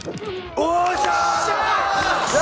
よっしゃあ！